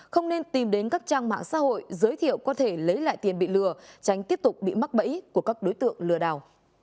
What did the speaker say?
không nên tìm đến các trang mạng xã hội giới thiệu có thể lấy lại tiền bị lừa tránh tiếp tục bị mắc bẫy của các đối tượng lừa đảo